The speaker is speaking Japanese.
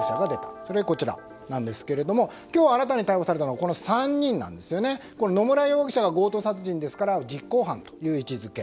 それがこちらなんですが今日新たに逮捕されたのは３人野村容疑者が強盗殺人ですから実行犯という位置づけ。